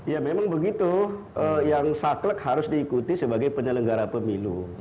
ya memang begitu yang saklek harus diikuti sebagai penyelenggara pemilu